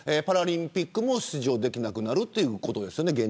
パラリンピックも出場できなくなるということですよね。